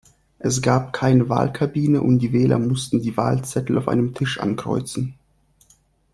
Es gab keine Wahlkabine und die Wähler mussten die Wahlzettel auf einem Tisch ankreuzen.